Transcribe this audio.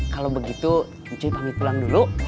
kalau begitu kunci pamit pulang dulu